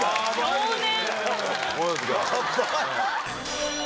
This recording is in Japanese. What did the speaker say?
少年！